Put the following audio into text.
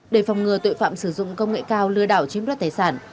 để phòng ngừa tội phạm sử dụng công nghệ cao lừa đảo chiếm đoạt tài sản